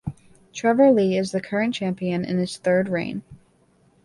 Trevor Lee is the current champion in his third reign.